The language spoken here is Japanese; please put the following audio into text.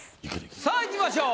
さあいきましょう。